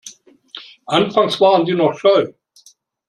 Anfangs waren sie noch scheu.